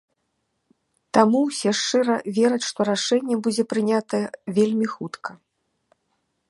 Таму ўсе шчыра вераць, што рашэнне будзе прынятае вельмі хутка.